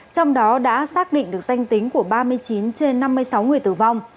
trong đó đã xác định được danh tính của ba mươi chín trên năm mươi sáu người tử vong